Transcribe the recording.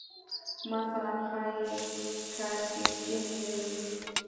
مثلاً ښایي کارتیجني وې